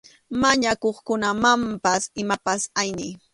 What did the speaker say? Mañakuqkunamanpas imapas ayniy.